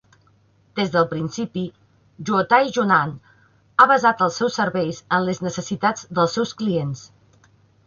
Des del principi, Guotai Junan han basat els seus serveis en les necessitats dels seus clients.